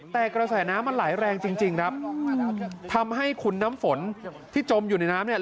แต่กระแสน้ำมันไหลแรงจริงครับทำให้คุณน้ำฝนที่จมอยู่ในน้ำเนี่ย